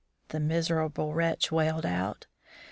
the miserable wretch wailed out.